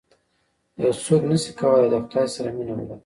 یو څوک نه شي کولای د خدای سره مینه ولري.